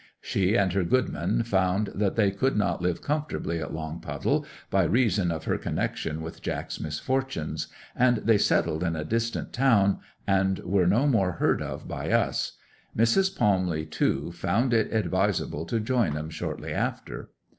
She and her good man found that they could not live comfortably at Longpuddle, by reason of her connection with Jack's misfortunes, and they settled in a distant town, and were no more heard of by us; Mrs. Palmley, too, found it advisable to join 'em shortly after.